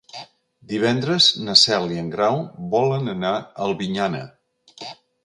Divendres na Cel i en Grau volen anar a Albinyana.